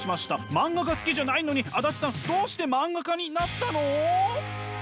漫画が好きじゃないのに足立さんどうして漫画家になったの？